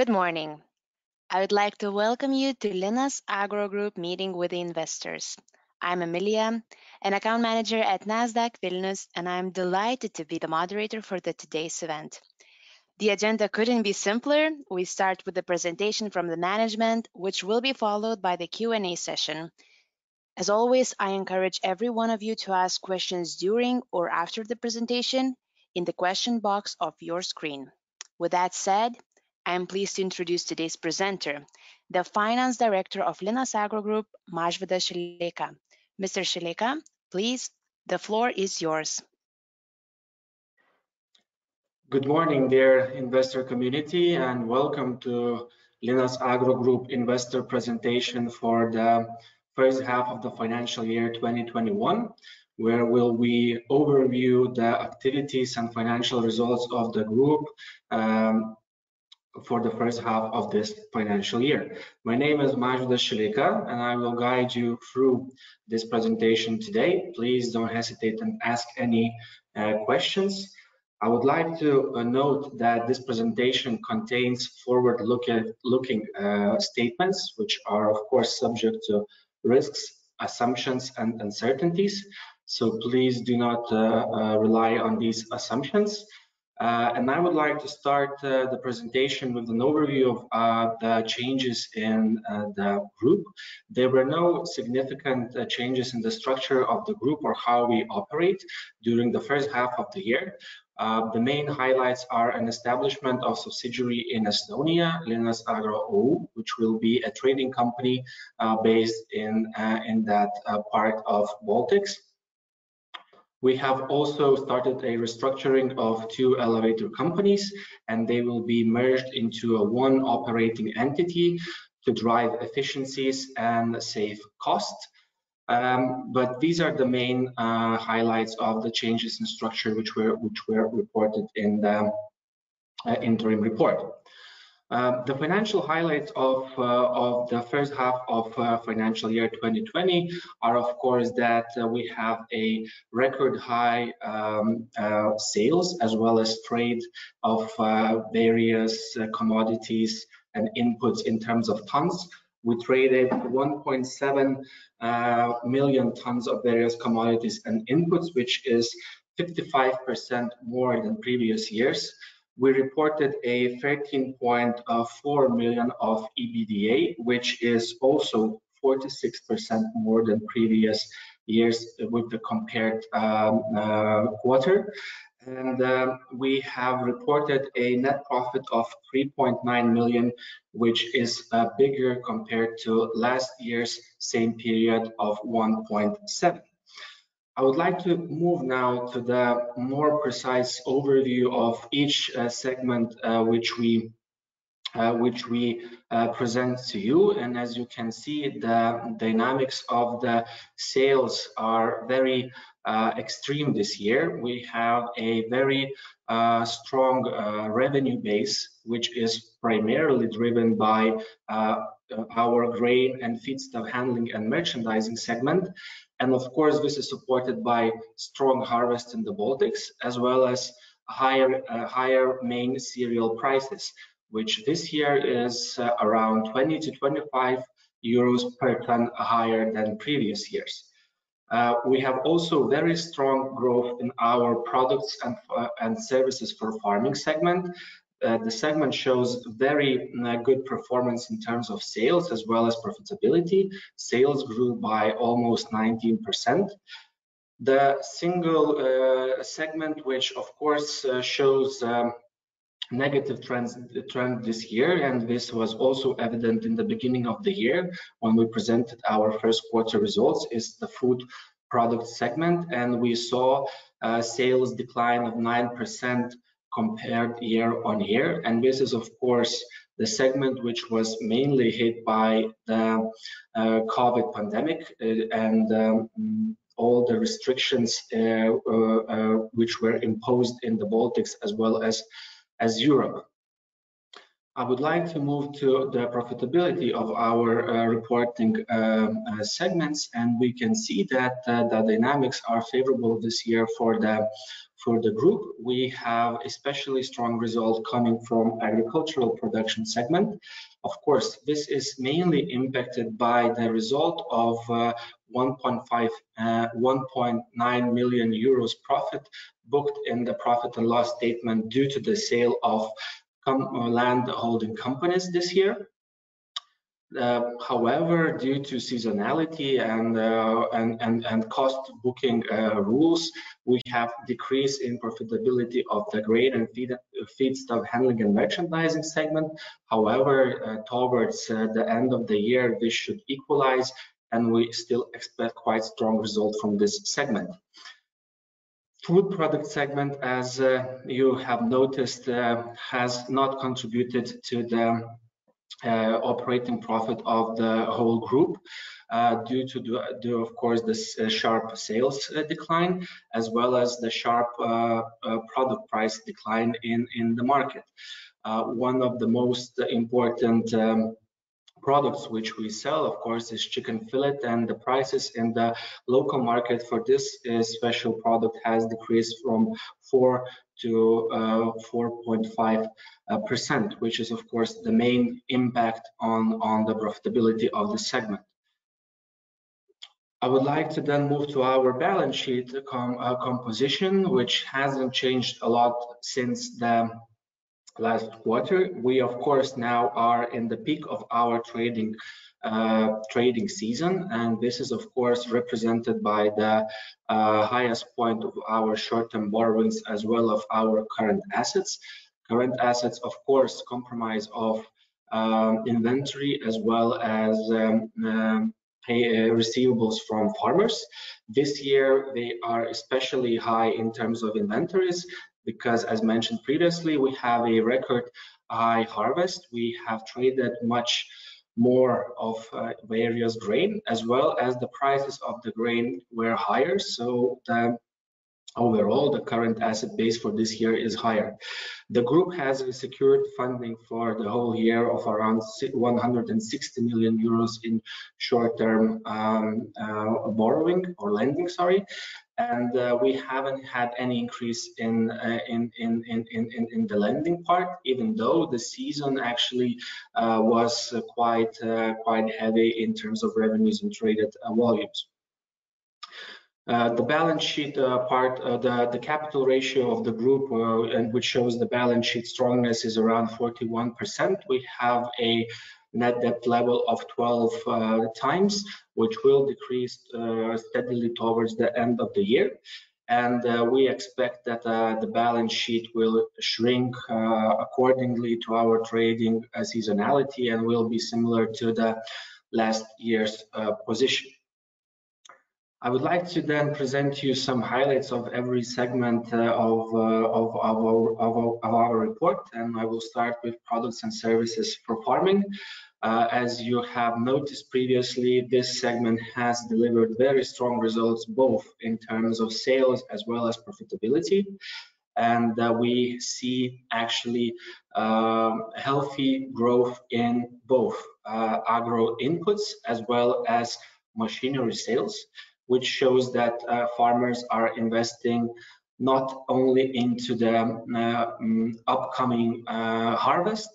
Good morning. I would like to welcome you to Linas Agro Group meeting with investors. I'm Emilia, an account manager at Nasdaq Vilnius, and I'm delighted to be the moderator for today's event. The agenda couldn't be simpler. We start with the presentation from the management, which will be followed by the Q&A session. As always, I encourage every one of you to ask questions during or after the presentation in the question box of your screen. With that said, I am pleased to introduce today's presenter, the finance director of Linas Agro Group, Mažvydas Šileika. Mr. Šileika, please, the floor is yours. Good morning there, investor community. Welcome to Linas Agro Group investor presentation for the first half of the financial year 2021, where we will overview the activities and financial results of the group for the first half of this financial year. My name is Mažvydas Šileika. I will guide you through this presentation today. Please don't hesitate to ask any questions. I would like to note that this presentation contains forward-looking statements, which are, of course, subject to risks, assumptions, and uncertainties. Please do not rely on these assumptions. I would like to start the presentation with an overview of the changes in the group. There were no significant changes in the structure of the group or how we operate during the first half of the year. The main highlights are an establishment of subsidiary in Estonia, Linas Agro OÜ, which will be a trading company based in that part of Baltics. We have also started a restructuring of two elevator companies, and they will be merged into one operating entity to drive efficiencies and save costs. These are the main highlights of the changes in structure which were reported in the interim report. The financial highlights of the first half of financial year 2020 are, of course, that we have record high sales, as well as trade of various commodities and inputs in terms of tons. We traded 1.7 million tons of various commodities and inputs, which is 55% more than previous years. We reported a 13.4 million of EBITDA, which is also 46% more than previous years with the compared quarter. We have reported a net profit of 3.9 million, which is bigger compared to last year's same period of 1.7 million. I would like to move now to the more precise overview of each segment which we present to you. As you can see, the dynamics of the sales are very extreme this year. We have a very strong revenue base, which is primarily driven by our grain and feedstock handling and merchandising segment. Of course, this is supported by strong harvest in the Baltics as well as higher main cereal prices, which this year is around 20-25 euros per ton higher than previous years. We have also very strong growth in our products and services for farming segment. The segment shows very good performance in terms of sales as well as profitability. Sales grew by almost 19%. The single segment, which of course shows negative trend this year, and this was also evident in the beginning of the year when we presented our first quarter results, is the food product segment. We saw a sales decline of 9% compared year-over-year. This is, of course, the segment which was mainly hit by the COVID pandemic and all the restrictions which were imposed in the Baltics as well as Europe. I would like to move to the profitability of our reporting segments. We can see that the dynamics are favorable this year for the group. We have especially strong result coming from agricultural production segment. Of course, this is mainly impacted by the result of 1.9 million euros profit booked in the profit and loss statement due to the sale of landholding companies this year. Due to seasonality and cost booking rules, we have decrease in profitability of the grain and feedstock handling and merchandising segment. Towards the end of the year, this should equalize, and we still expect quite strong result from this segment. Food product segment, as you have noticed, has not contributed to the operating profit of the whole group due to, of course, the sharp sales decline as well as the sharp product price decline in the market. One of the most important products which we sell, of course, is chicken fillet, and the prices in the local market for this special product has decreased from 4%-4.5%, which is, of course, the main impact on the profitability of the segment. I would like to then move to our balance sheet composition, which hasn't changed a lot since the last quarter. We, of course, now are in the peak of our trading season, and this is, of course, represented by the highest point of our short-term borrowings as well as our current assets. Current assets, of course, comprise of inventory as well as receivables from farmers. This year, they are especially high in terms of inventories because, as mentioned previously, we have a record high harvest. We have traded much more of various grain, as well as the prices of the grain were higher. The overall, the current asset base for this year is higher. The group has secured funding for the whole year of around 160 million euros in short-term borrowing or lending, sorry. We haven't had any increase in the lending part, even though the season actually was quite heavy in terms of revenues and traded volumes. The balance sheet part, the capital ratio of the group, and which shows the balance sheet strongness, is around 41%. We have a net debt level of 12x, which will decrease steadily towards the end of the year. We expect that the balance sheet will shrink accordingly to our trading seasonality and will be similar to the last year's position. I would like to then present you some highlights of every segment of our report, and I will start with products and services for farming. As you have noticed previously, this segment has delivered very strong results, both in terms of sales as well as profitability. We see actually healthy growth in both agro inputs as well as machinery sales, which shows that farmers are investing not only into the upcoming harvest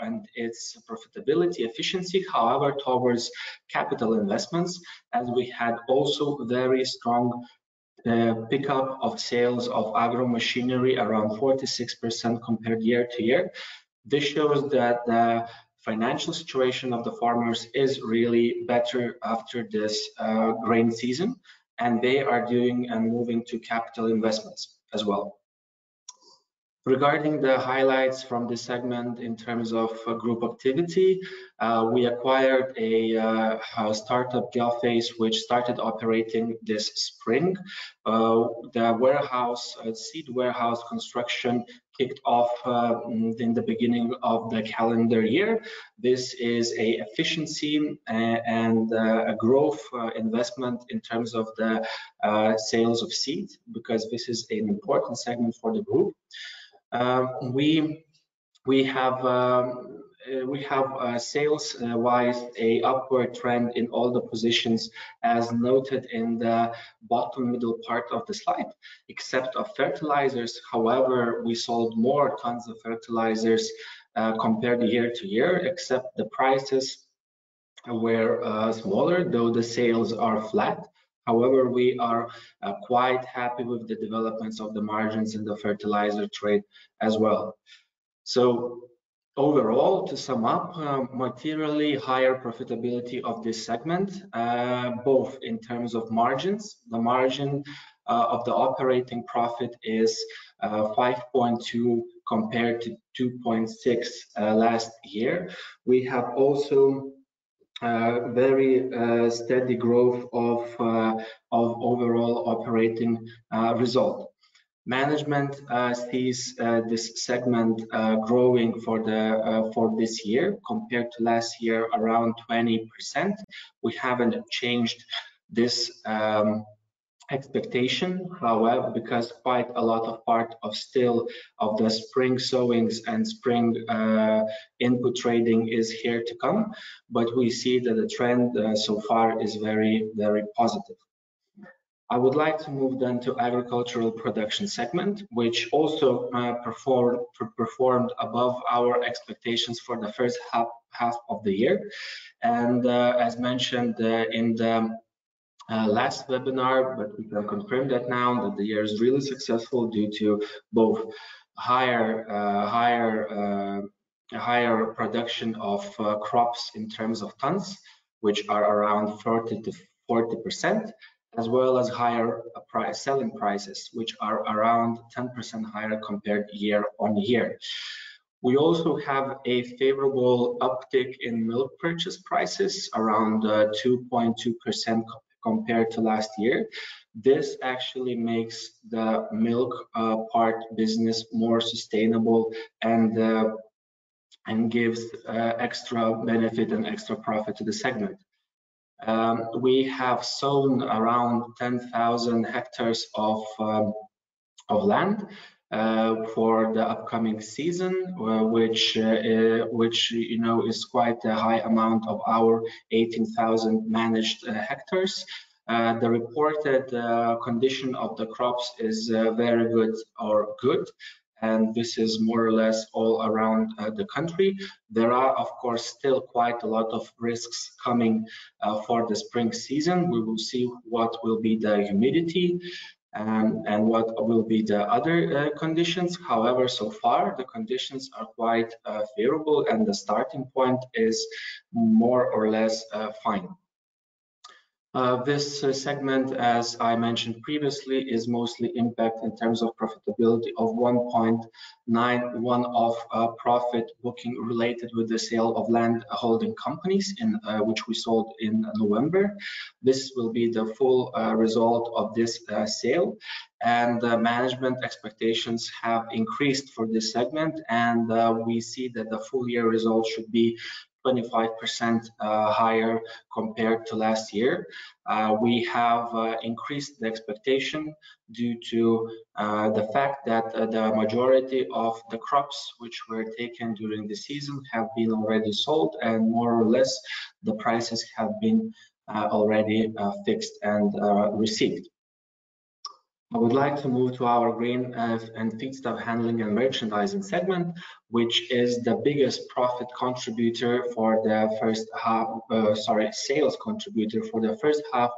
and its profitability efficiency, however, towards capital investments, as we had also very strong pickup of sales of agro machinery, around 46% compared year to year. This shows that the financial situation of the farmers is really better after this grain season, and they are doing and moving to capital investments as well. Regarding the highlights from this segment in terms of group activity, we acquired a startup, GeoFace, which started operating this spring. The seed warehouse construction kicked off in the beginning of the calendar year. This is an efficiency and a growth investment in terms of the sales of seed, because this is an important segment for the group. We have, sales-wise, an upward trend in all the positions as noted in the bottom middle part of the slide, except of fertilizers. We sold more tons of fertilizers compared year to year, except the prices were smaller, though the sales are flat. We are quite happy with the developments of the margins in the fertilizer trade as well. Overall, to sum up, materially higher profitability of this segment, both in terms of margins. The margin of the operating profit is 5.2 compared to 2.6 last year. We have also very steady growth of overall operating result. Management sees this segment growing for this year compared to last year around 20%. We haven't changed this expectation, however, because quite a lot of part of still of the spring sowings and spring input trading is here to come. We see that the trend so far is very positive. I would like to move to agricultural production segment, which also performed above our expectations for the first half of the year. As mentioned in the last webinar, we can confirm that now that the year is really successful due to both higher production of crops in terms of tons, which are around 30%-40%, as well as higher selling prices, which are around 10% higher compared year-on-year. We also have a favorable uptick in milk purchase prices around 2.2% compared to last year. This actually makes the milk part business more sustainable and gives extra benefit and extra profit to the segment. We have sown around 10,000 ha of land for the upcoming season, which is quite a high amount of our 18,000 managed hectares. The reported condition of the crops is very good or good, and this is more or less all around the country. There are, of course, still quite a lot of risks coming for the spring season. We will see what will be the humidity and what will be the other conditions. However, so far, the conditions are quite favorable and the starting point is more or less fine. This segment, as I mentioned previously, is mostly impacted in terms of profitability of 1.91 of profit booking related with the sale of landholding companies which we sold in November. This will be the full result of this sale, and management expectations have increased for this segment, and we see that the full year results should be 25% higher compared to last year. We have increased the expectation due to the fact that the majority of the crops which were taken during the season have been already sold, and more or less, the prices have been already fixed and received. I would like to move to our grain and feedstock handling and merchandising segment, which is the biggest sales contributor for the first half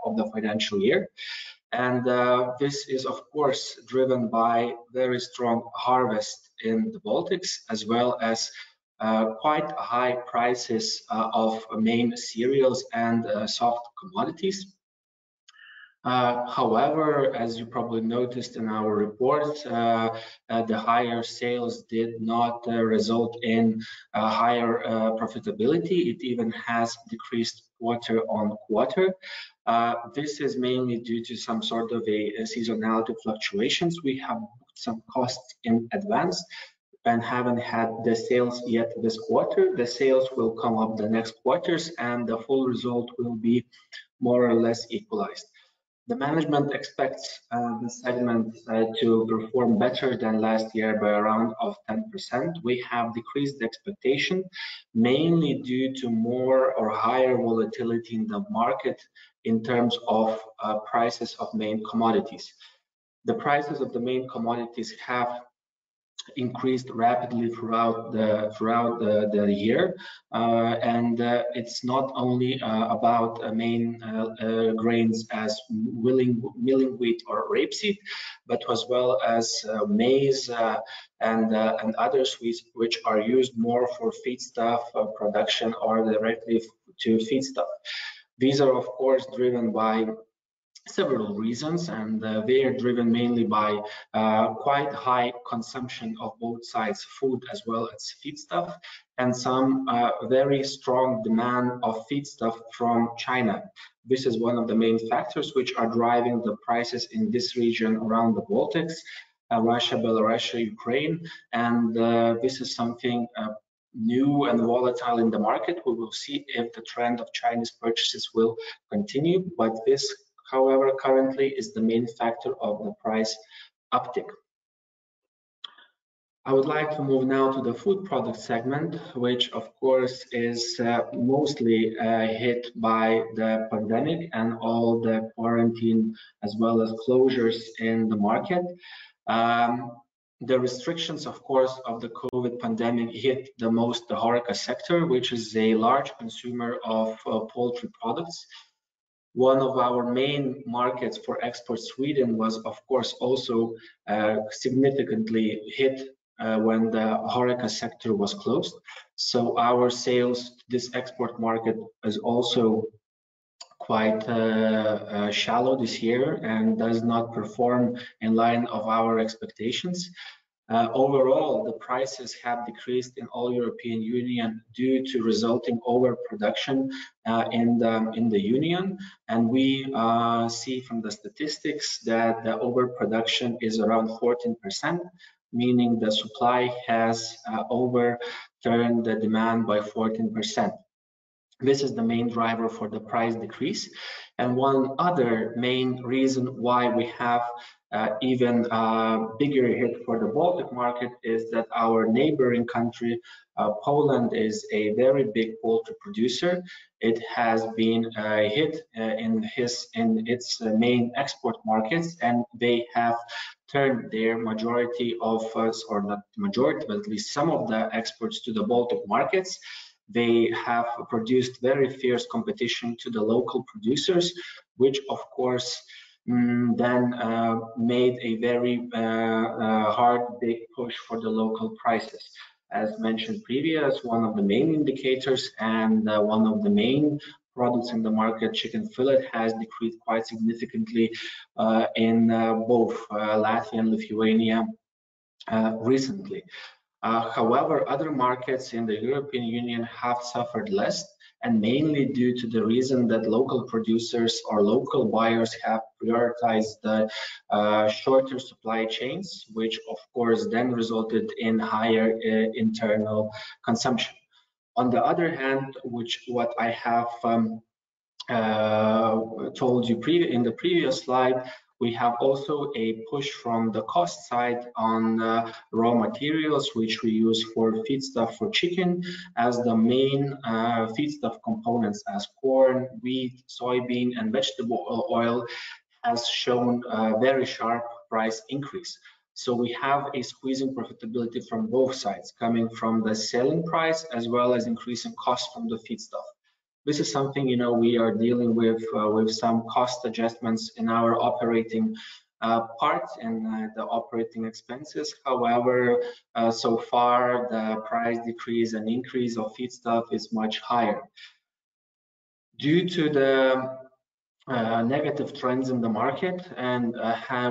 of the financial year. This is, of course, driven by very strong harvest in the Baltics as well as quite high prices of main cereals and soft commodities. However, as you probably noticed in our report, the higher sales did not result in higher profitability. It even has decreased quarter-on-quarter. This is mainly due to some sort of seasonality fluctuations. We have some costs in advance and haven't had the sales yet this quarter. The sales will come up the next quarters, and the full result will be more or less equalized. The management expects the segment to perform better than last year by around 10%. We have decreased expectation mainly due to more or higher volatility in the market in terms of prices of main commodities. The prices of the main commodities have increased rapidly throughout the year. It's not only about main grains as milling wheat or rapeseed, but as well as maize and others which are used more for feedstock production or directly to feedstock. These are, of course, driven by several reasons, and they are driven mainly by quite high consumption of both sides, food as well as feedstock, and some very strong demand of feedstock from China. This is one of the main factors which are driving the prices in this region around the Baltics, Russia, Belarus, Ukraine, and this is something new and volatile in the market. We will see if the trend of Chinese purchases will continue, but this, however, currently is the main factor of the price uptick. I would like to move now to the food product segment, which of course is mostly hit by the pandemic and all the quarantine as well as closures in the market. The restrictions, of course, of the COVID pandemic hit the most the HORECA sector, which is a large consumer of poultry products. One of our main markets for export, Sweden, was of course also significantly hit when the HORECA sector was closed. Our sales, this export market is also quite shallow this year and does not perform in line of our expectations. Overall, the prices have decreased in all European Union due to resulting overproduction in the Union. We see from the statistics that the overproduction is around 14%, meaning the supply has overturned the demand by 14%. This is the main driver for the price decrease, one other main reason why we have even bigger hit for the Baltic market is that our neighboring country, Poland, is a very big poultry producer. It has been hit in its main export markets, they have turned their majority of, or not the majority, but at least some of their exports to the Baltic markets. They have produced very fierce competition to the local producers, which of course then made a very hard, big push for the local prices. As mentioned previously, one of the main indicators and one of the main products in the market, chicken fillet, has decreased quite significantly in both Latvia and Lithuania recently. However, other markets in the European Union have suffered less, and mainly due to the reason that local producers or local buyers have prioritized the shorter supply chains, which of course then resulted in higher internal consumption. On the other hand, what I have told you in the previous slide, we have also a push from the cost side on raw materials, which we use for feedstock for chicken as the main feedstock components as corn, wheat, soybean, and vegetable oil has shown a very sharp price increase. We have a squeezing profitability from both sides, coming from the selling price as well as increasing costs from the feedstock. This is something we are dealing with some cost adjustments in our operating part and the operating expenses. However, so far, the price decrease and increase of feedstock is much higher. Due to the negative trends in the market, and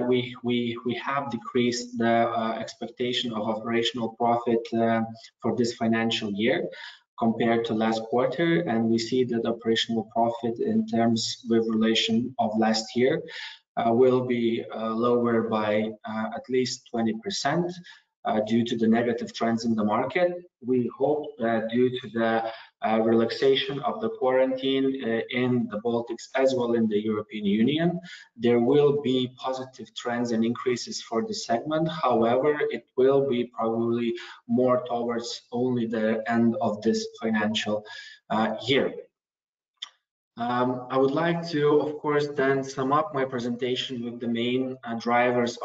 we have decreased the expectation of operational profit for this financial year compared to last quarter, and we see that operational profit in terms with relation of last year will be lower by at least 20%, due to the negative trends in the market. We hope that due to the relaxation of the quarantine in the Baltics as well in the European Union, there will be positive trends and increases for this segment. However, it will be probably more towards only the end of this financial year. I would like to, of course, sum up my presentation with the main drivers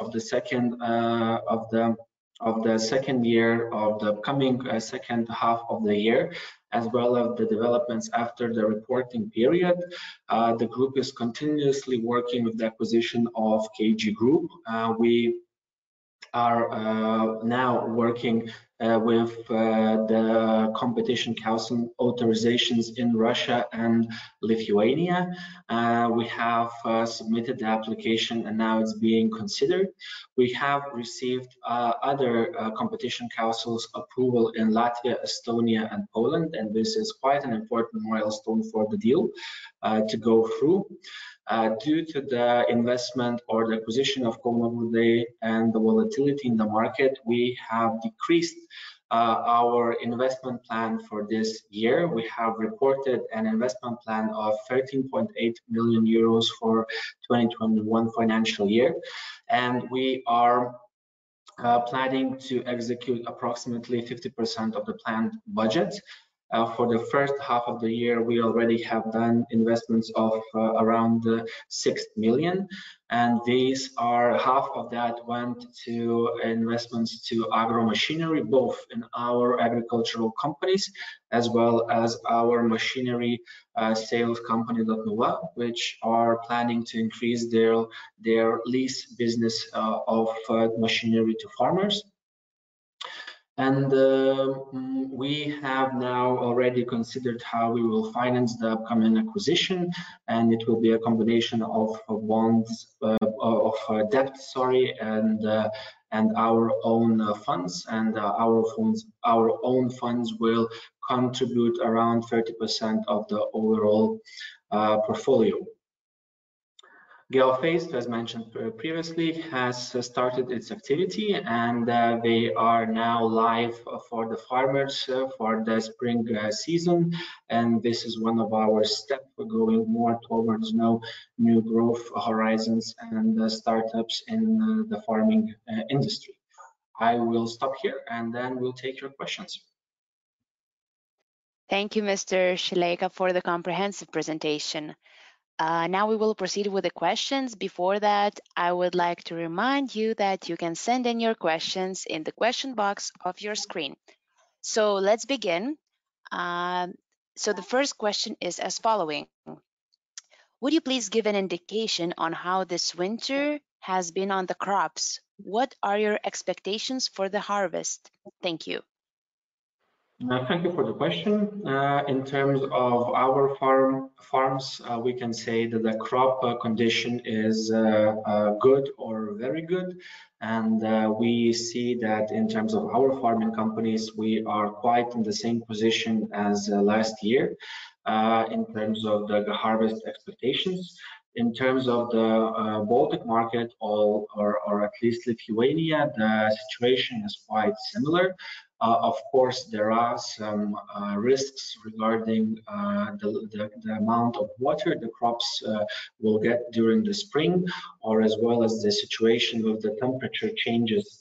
of the coming second half of the year, as well as the developments after the reporting period. The group is continuously working with the acquisition of KG Group. We are now working with the competition council authorizations in Russia and Lithuania. We have submitted the application, and now it's being considered. We have received other competition councils' approval in Latvia, Estonia, and Poland, and this is quite an important milestone for the deal to go through. Due to the investment or the acquisition of Commonwealth and the volatility in the market, we have decreased our investment plan for this year. We have reported an investment plan of 13.8 million euros for 2021 financial year, and we are planning to execute approximately 50% of the planned budget. For the first half of the year, we already have done investments of around 6 million, half of that went to investments to agro machinery, both in our agricultural companies as well as our machinery sales company, Dotnuva, which are planning to increase their lease business of machinery to farmers. We have now already considered how we will finance the upcoming acquisition, and it will be a combination of debt and our own funds. Our own funds will contribute around 30% of the overall portfolio. GeoFace, as mentioned previously, has started its activity, and they are now live for the farmers for the spring season. This is one of our steps. We're going more towards new growth horizons and startups in the farming industry. I will stop here, then we'll take your questions. Thank you, Mr. Šileika, for the comprehensive presentation. Now we will proceed with the questions. Before that, I would like to remind you that you can send in your questions in the question box of your screen. Let's begin. The first question is as following: Would you please give an indication on how this winter has been on the crops? What are your expectations for the harvest? Thank you. Thank you for the question. In terms of our farms, we can say that the crop condition is good or very good. We see that in terms of our farming companies, we are quite in the same position as last year, in terms of the harvest expectations. In terms of the Baltic market or at least Lithuania, the situation is quite similar. Of course, there are some risks regarding the amount of water the crops will get during the spring, or as well as the situation with the temperature changes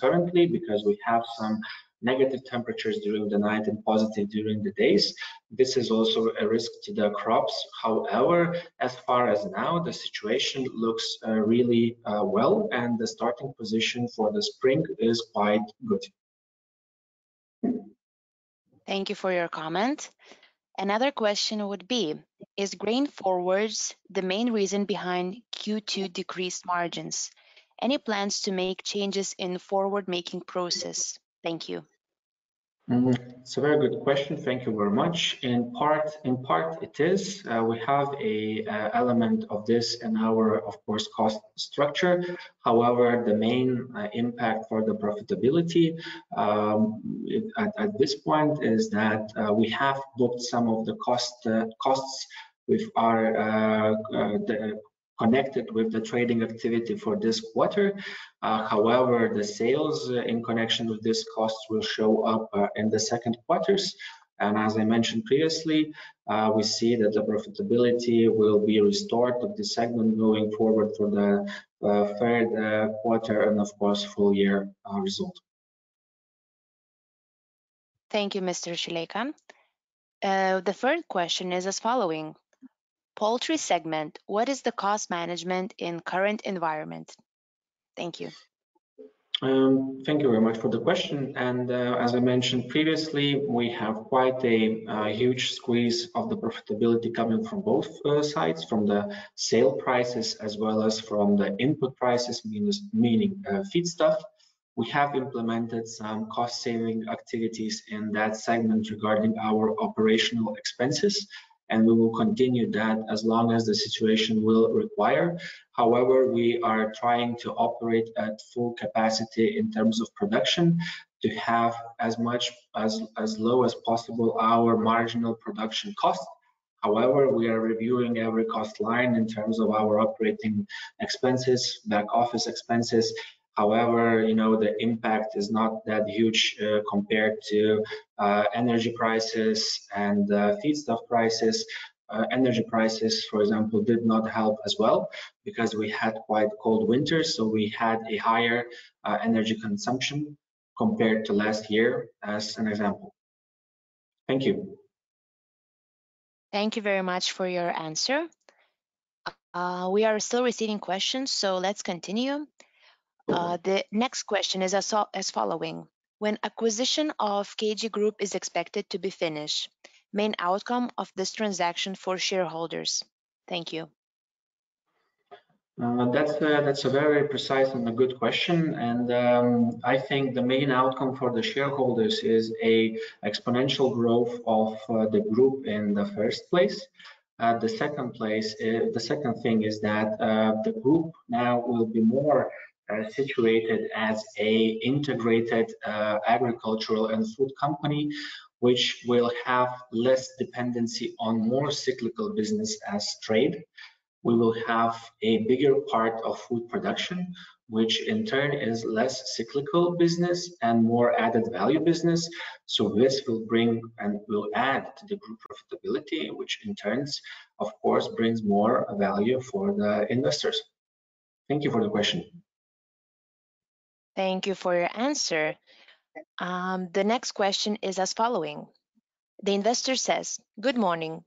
currently, because we have some negative temperatures during the night and positive during the days. This is also a risk to the crops. However, as far as now, the situation looks really well, and the starting position for the spring is quite good. Thank you for your comment. Another question would be: Is grain forwards the main reason behind Q2 decreased margins? Any plans to make changes in the forward making process? Thank you. It's a very good question. Thank you very much. In part, it is. We have a element of this in our, of course, cost structure. However, the main impact for the profitability at this point is that we have booked some of the costs with our connected with the trading activity for this quarter. However, the sales in connection with this cost will show up in the second quarters. As I mentioned previously, we see that the profitability will be restored of this segment going forward for the third quarter and of course, full year result. Thank you, Mr. Šileika. The third question is as following: poultry segment, what is the cost management in current environment? Thank you. Thank you very much for the question. As I mentioned previously, we have quite a huge squeeze of the profitability coming from both sides, from the sale prices as well as from the input prices, meaning feedstock. We have implemented some cost saving activities in that segment regarding our operational expenses, and we will continue that as long as the situation will require. We are trying to operate at full capacity in terms of production to have as low as possible our marginal production cost. We are reviewing every cost line in terms of our operating expenses, back office expenses. The impact is not that huge compared to energy prices and feedstock prices. Energy prices, for example, did not help as well because we had quite cold winter, so we had a higher energy consumption compared to last year, as an example. Thank you. Thank you very much for your answer. We are still receiving questions. Let's continue. The next question is as follows: when acquisition of KG Group is expected to be finished? Main outcome of this transaction for shareholders? Thank you. That's a very precise and a good question, and I think the main outcome for the shareholders is a exponential growth of the group in the first place. The second thing is that the group now will be more situated as a integrated agricultural and food company, which will have less dependency on more cyclical business as trade. We will have a bigger part of food production, which in turn is less cyclical business and more added value business. This will bring and will add to the group profitability, which in turn, of course, brings more value for the investors. Thank you for the question. Thank you for your answer. The next question is as following. The investor says, "Good morning.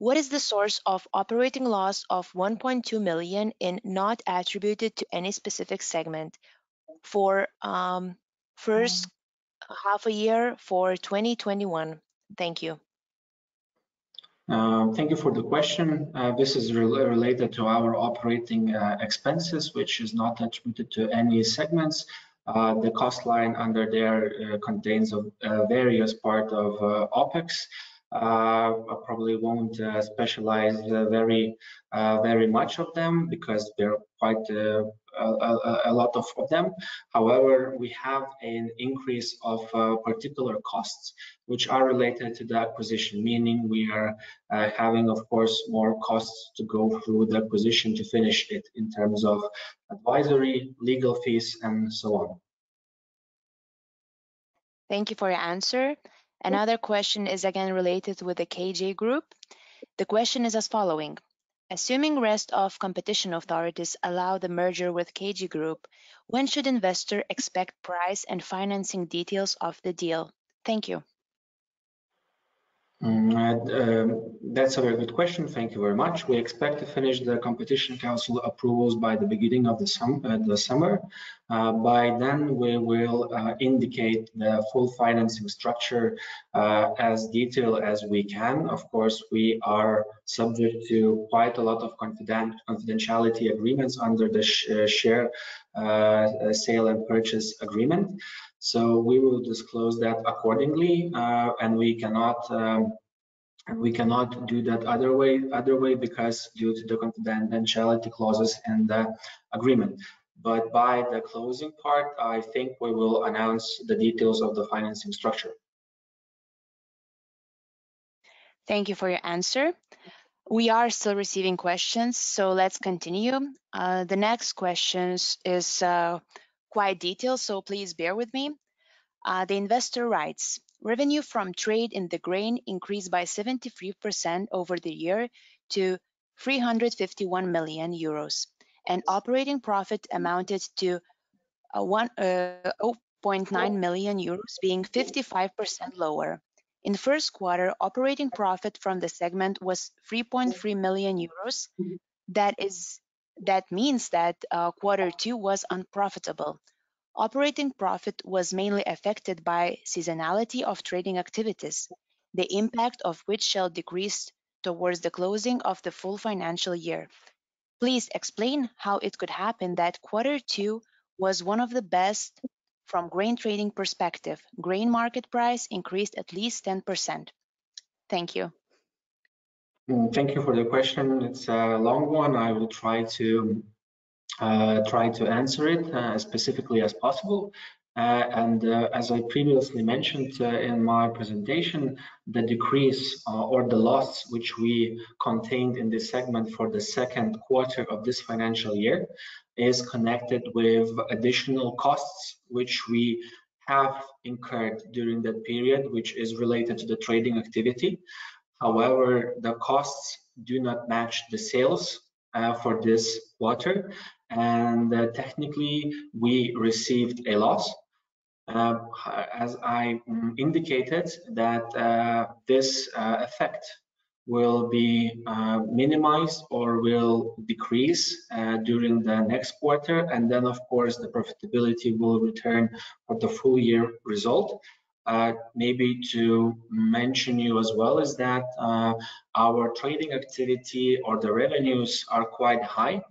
What is the source of operating loss of 1.2 million and not attributed to any specific segment for first half a year for 2021?" Thank you. Thank you for the question. This is related to our operating expenses, which is not attributed to any segments. The cost line under there contains various part of OpEx. I probably won't specialize very much of them because there are quite a lot of them. We have an increase of particular costs which are related to the acquisition, meaning we are having, of course, more costs to go through the acquisition to finish it in terms of advisory, legal fees and so on. Thank you for your answer. Another question is again related with the KG Group. The question is as following: assuming rest of competition authorities allow the merger with KG Group, when should investor expect price and financing details of the deal? Thank you. That's a very good question. Thank you very much. We expect to finish the Competition Council approvals by the beginning of the summer. We will indicate the full financing structure, as detailed as we can. Of course, we are subject to quite a lot of confidentiality agreements under the share, sale and purchase agreement. We will disclose that accordingly. We cannot do that other way because due to the confidentiality clauses and the agreement. By the closing part, I think we will announce the details of the financing structure. Thank you for your answer. We are still receiving questions, so let's continue. The next question is quite detailed, so please bear with me. The investor writes, "Revenue from trade in the grain increased by 73% over the year to 351 million euros and operating profit amounted to 0.9 million euros, being 55% lower. In the first quarter, operating profit from the segment was 3.3 million euros. That means that quarter two was unprofitable. Operating profit was mainly affected by seasonality of trading activities, the impact of which shall decrease towards the closing of the full financial year. Please explain how it could happen that quarter two was one of the best from grain trading perspective. Grain market price increased at least 10%." Thank you. Thank you for the question. It's a long one. I will try to answer it as specifically as possible. As I previously mentioned in my presentation, the decrease or the loss which we contained in this segment for the second quarter of this financial year is connected with additional costs, which we have incurred during that period, which is related to the trading activity. The costs do not match the sales for this quarter, and technically, we received a loss. As I indicated, this effect will be minimized or will decrease during the next quarter, and then, of course, the profitability will return for the full year result. Maybe to mention you as well is that our trading activity or the revenues are quite high.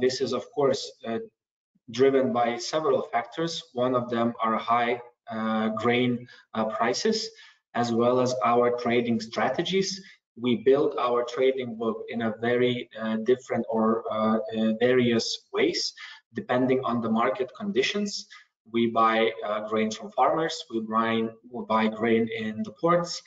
This is, of course, driven by several factors. One of them are high grain prices as well as our trading strategies. We build our trading book in a very different or various ways depending on the market conditions. We buy grain from farmers. We buy grain in the ports.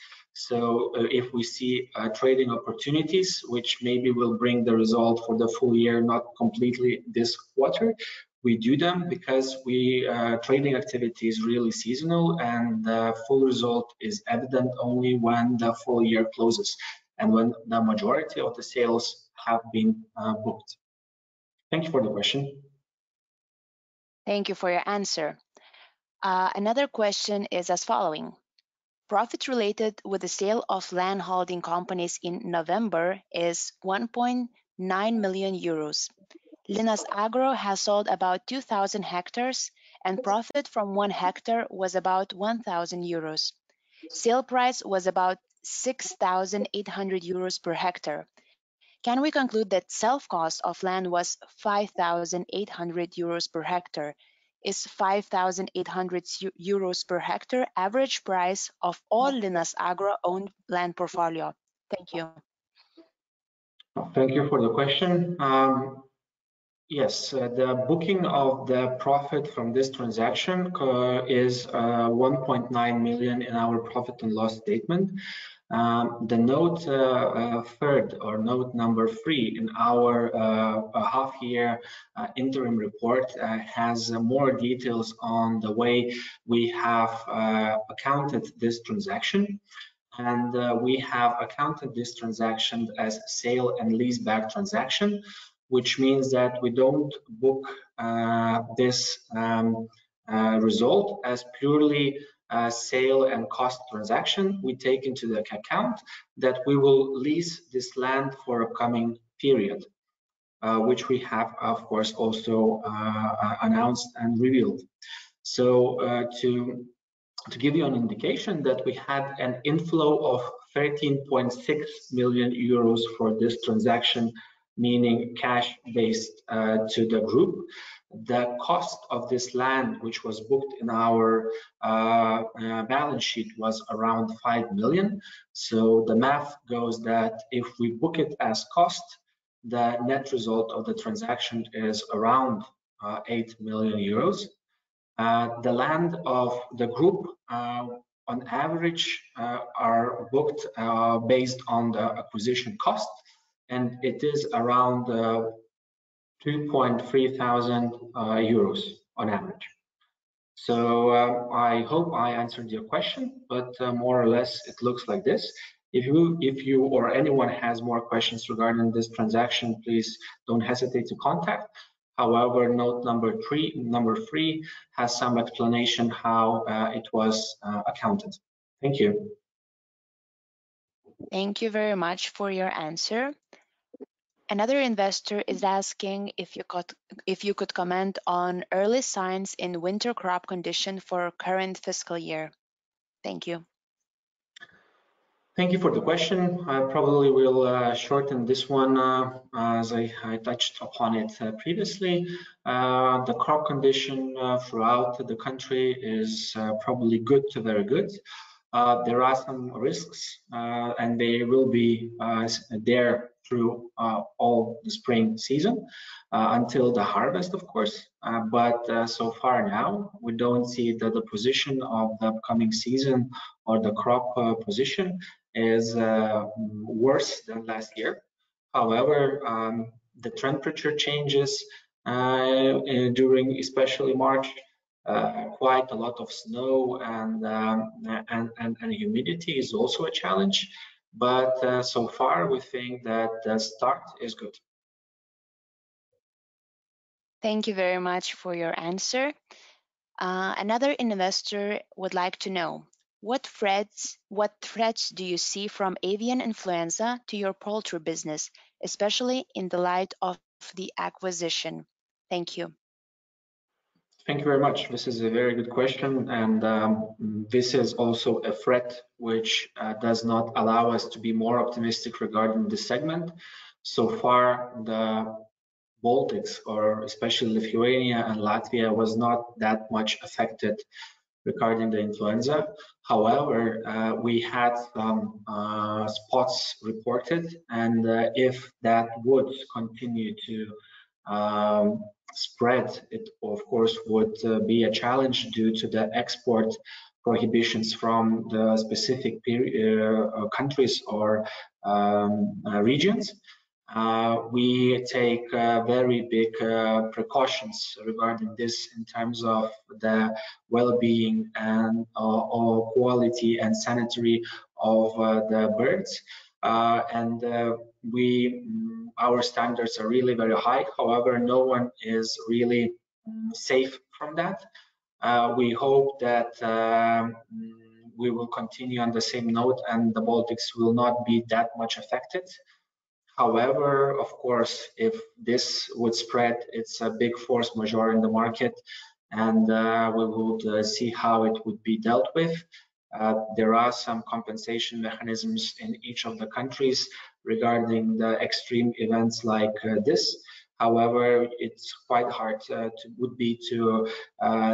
If we see trading opportunities, which maybe will bring the result for the full year, not completely this quarter, we do them because trading activity is really seasonal, and the full result is evident only when the full year closes and when the majority of the sales have been booked. Thank you for the question. Thank you for your answer. Another question is as following: Profits related with the sale of land holding companies in November is 1.9 million euros. Linas Agro has sold about 2,000 ha, and profit from one hectare was about 1,000 euros. Sale price was about 6,800 euros per ha. Can we conclude that self cost of land was 5,800 euros per hectare? Is 5,800 euros per ha average price of all Linas Agro owned land portfolio? Thank you. Thank you for the question. Yes. The booking of the profit from this transaction is 1.9 million in our profit and loss statement. The note number three in our half year interim report has more details on the way we have accounted this transaction. We have accounted this transaction as sale and leaseback transaction, which means that we don't book this result as purely sale and cost transaction. We take into the account that we will lease this land for a coming period, which we have, of course, also announced and revealed. To give you an indication that we had an inflow of 13.6 million euros for this transaction, meaning cash based to the group. The cost of this land, which was booked in our balance sheet, was around 5 million. The math goes that if we book it as cost, the net result of the transaction is around 8 million euros. The land of the group, on average, are booked based on the acquisition cost, and it is around EUR 2.3,000 on average. I hope I answered your question, but more or less it looks like this. If you or anyone has more questions regarding this transaction, please don't hesitate to contact. However, note number three has some explanation how it was accounted. Thank you. Thank you very much for your answer. Another investor is asking if you could comment on early signs in winter crop condition for current fiscal year. Thank you. Thank you for the question. I probably will shorten this one, as I touched upon it previously. The crop condition throughout the country is probably good to very good. There are some risks, and they will be there through all the spring season, until the harvest of course. So far now, we don't see that the position of the upcoming season or the crop position is worse than last year. However, the temperature changes during especially March, quite a lot of snow and humidity is also a challenge. So far, we think that the start is good. Thank you very much for your answer. Another investor would like to know, what threats do you see from avian influenza to your poultry business, especially in the light of the acquisition? Thank you. Thank you very much. This is a very good question, and this is also a threat which does not allow us to be more optimistic regarding this segment. So far, the Baltics, or especially Lithuania and Latvia, was not that much affected regarding the influenza. However, we had some spots reported, and if that would continue to spread, it of course would be a challenge due to the export prohibitions from the specific countries or regions. We take very big precautions regarding this in terms of the well-being and quality and sanitary of the birds. And our standards are really very high. However, no one is really safe from that. We hope that we will continue on the same note and the Baltics will not be that much affected. Of course, if this would spread, it's a big force majeure in the market, and we would see how it would be dealt with. There are some compensation mechanisms in each of the countries regarding the extreme events like this. It's quite hard, would be to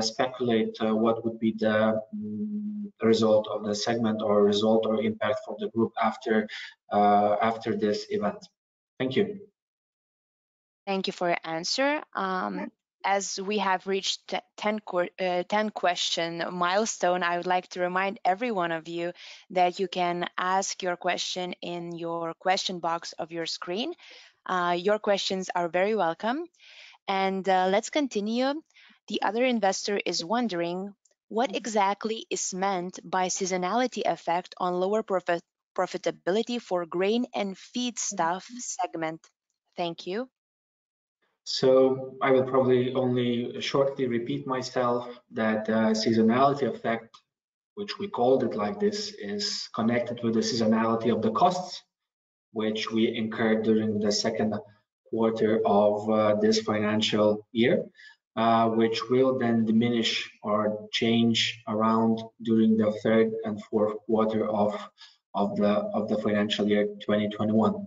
speculate what would be the result of the segment or result or impact for the group after this event. Thank you. Thank you for your answer. As we have reached 10-question milestone, I would like to remind every one of you that you can ask your question in your question box of your screen. Your questions are very welcome. Let's continue. The other investor is wondering, "What exactly is meant by seasonality effect on lower profitability for grain and feedstuff segment?" Thank you. I will probably only shortly repeat myself that seasonality effect, which we called it like this, is connected with the seasonality of the costs, which we incurred during the second quarter of this financial year, which will then diminish or change around during the third and fourth quarter of the financial year 2021.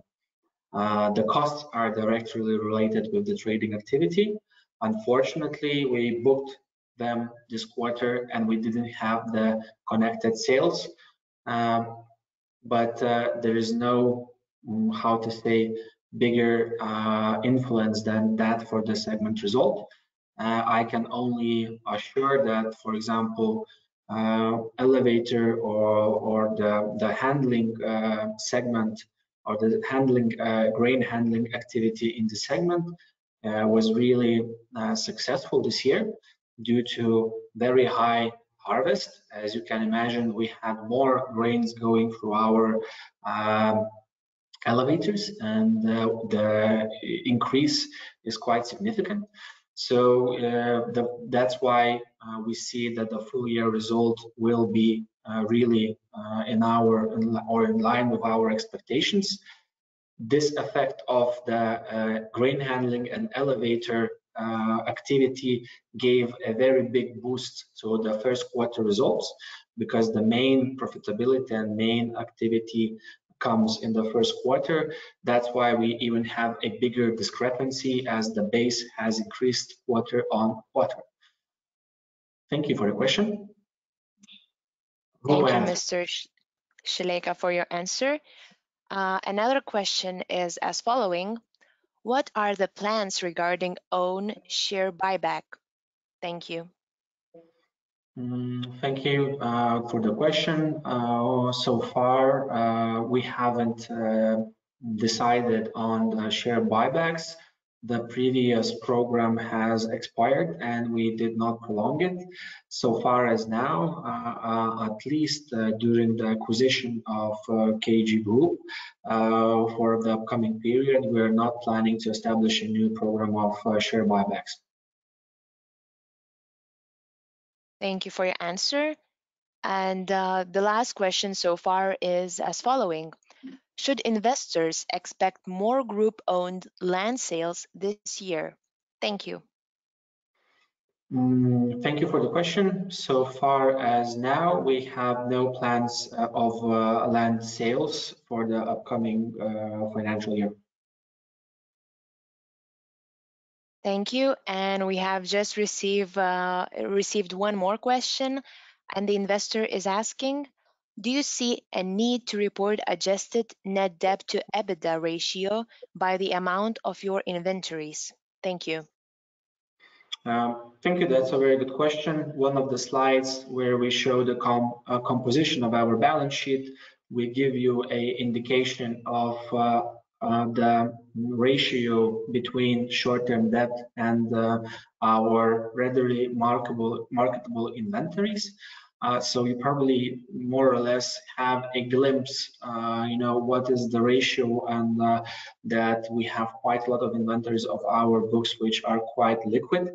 The costs are directly related with the trading activity. Unfortunately, we booked them this quarter, and we didn't have the connected sales. There is no, how to say, bigger influence than that for the segment result. I can only assure that, for example, elevator or the handling segment or the grain handling activity in the segment was really successful this year due to very high harvest. As you can imagine, we had more grains going through our elevators, and the increase is quite significant. That's why we see that the full-year result will be really in line with our expectations. This effect of the grain handling and elevator activity gave a very big boost to the first quarter results because the main profitability and main activity comes in the first quarter. That's why we even have a bigger discrepancy as the base has increased quarter on quarter. Thank you for your question. Go ahead. Thank you, Mr. Šileika, for your answer. Another question is as following: "What are the plans regarding own share buyback?" Thank you. Thank you for the question. We haven't decided on share buybacks. The previous program has expired, and we did not prolong it. So far as now, at least during the acquisition of KG Group, for the upcoming period, we are not planning to establish a new program of share buybacks. Thank you for your answer. The last question so far is as following: "Should investors expect more group-owned land sales this year?" Thank you. Thank you for the question. Far as now, we have no plans of land sales for the upcoming financial year. Thank you. We have just received one more question. The investor is asking, "Do you see a need to report adjusted net debt to EBITDA ratio by the amount of your inventories?" Thank you. Thank you. That's a very good question. One of the slides where we show the composition of our balance sheet, we give you an indication of the ratio between short-term debt and our readily marketable inventories. You probably more or less have a glimpse, what is the ratio and that we have quite a lot of inventories of our books which are quite liquid.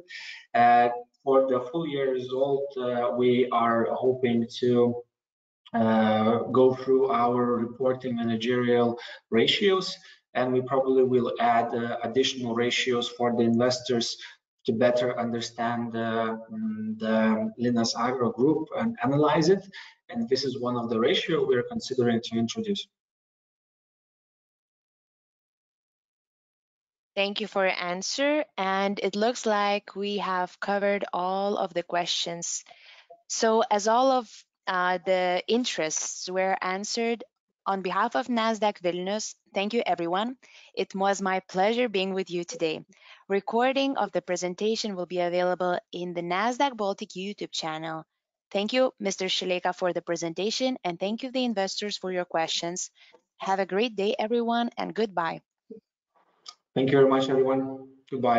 For the full year result, we are hoping to go through our reporting managerial ratios. We probably will add additional ratios for the investors to better understand the Linas Agro Group and analyze it. This is one of the ratio we are considering to introduce. Thank you for your answer. It looks like we have covered all of the questions. As all of the interests were answered, on behalf of Nasdaq Vilnius, thank you, everyone. It was my pleasure being with you today. Recording of the presentation will be available in the Nasdaq Baltic YouTube channel. Thank you, Mr. Šileika, for the presentation, and thank you, the investors, for your questions. Have a great day, everyone, and goodbye. Thank you very much, everyone. Goodbye.